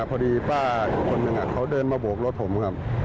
พอดีป้าอีกคนนึงเขาเดินมาโบกรถผมครับ